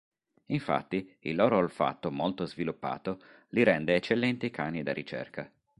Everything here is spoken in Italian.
Infatti, il loro olfatto molto sviluppato li rende eccellenti cani da ricerca.